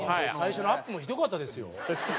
最初のアップもひどかったですよ。